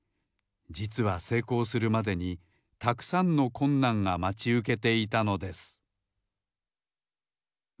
じつはせいこうするまでにたくさんのこんなんがまちうけていたのです